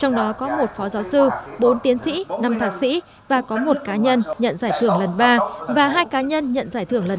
trong đó có một phó giáo sư bốn tiến sĩ năm thạc sĩ và có một cá nhân nhận giải thưởng lần ba và hai cá nhân nhận giải thưởng lần chín